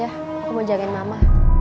aku mau jagain mama